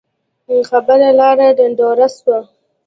خبره لاړه ډنډوره سوه